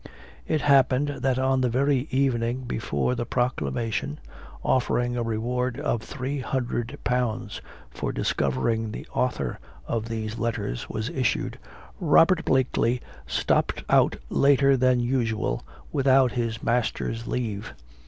It happened, that on the very evening before the proclamation, offering a reward of £300 for discovering the author of these letters, was issued, Robert Blakely stopped out later than usual without his master's leave.